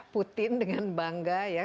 putin dengan bangga ya